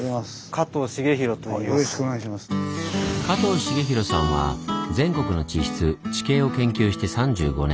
加藤茂弘さんは全国の地質・地形を研究して３５年。